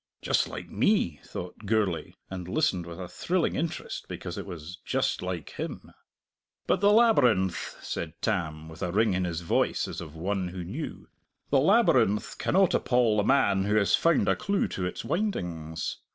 "Just like me!" thought Gourlay, and listened with a thrilling interest because it was "just like him." "But the labyrinth," said Tam, with a ring in his voice as of one who knew "the labyrinth cannot appal the man who has found a clue to its windings.